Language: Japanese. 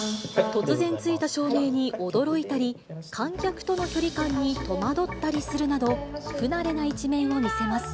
突然ついた照明に驚いたり、観客との距離感に戸惑ったりするなど、不慣れな一面を見せます。